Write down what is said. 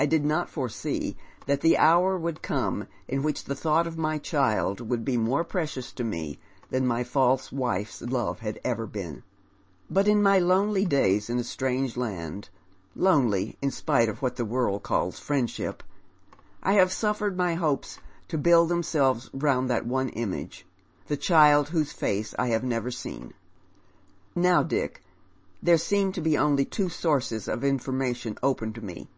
I did not forsee that the hour would come in which the thought of ray child would be more precious to me than my false wife's love had even been. But in my lonely days in a strange land — lonely in spite of what the world calls fi iendship — I have Buffered my hopes to build themselves round that one image — the child whose face I have never seen. Now, Dick, there seem to be only two sources of information open to me.